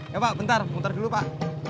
ya pak bentar bentar dulu pak